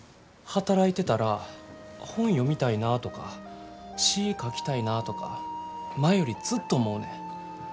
働いてたら本読みたいなとか詩ぃ書きたいなぁとか前よりずっと思うねん。